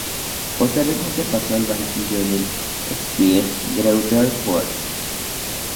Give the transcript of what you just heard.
Posteriormente pasó por el banquillo del SpVgg Greuther Fürth.